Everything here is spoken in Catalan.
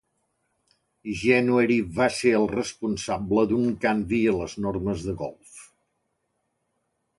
January va ser el responsable d'un canvi a les normes de golf.